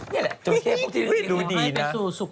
นี่แหละจริงดูดีเนอะ